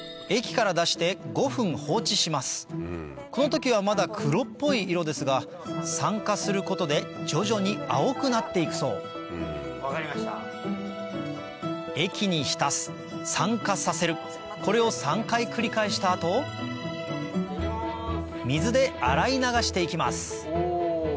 この時はまだ黒っぽい色ですが酸化することで徐々に青くなって行くそう液に浸す酸化させるこれを３回繰り返した後水で洗い流して行きますお！